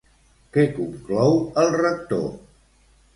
Què conclou el Rector?